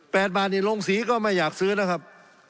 บาทนี่โรงสีก็ไม่อยากซื้อนะครับ